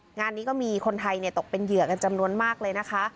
งานนี้ก็มีคนไทยตกเป็นเหยื่อกันจำนวนมากเลยนะคะ